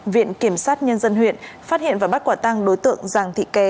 viện kiểm sát nhân dân huyện phát hiện và bắt quả tăng đối tượng giàng thị kế